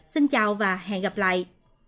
xin chào và hẹn gặp lại